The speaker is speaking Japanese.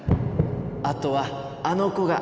あとはあの子が。